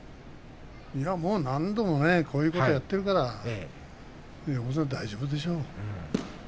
何度もこういうことはやっているから横綱は大丈夫でしょう？